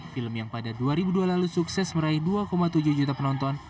film yang pada dua ribu dua lalu sukses meraih dua tujuh juta penonton